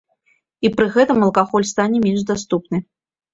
І пры гэтым алкаголь стане менш даступны.